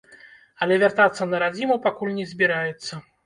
Але вяртацца на радзіму пакуль не збіраецца.